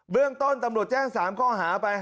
เรื่องต้นตำรวจแจ้ง๓ข้อหาไป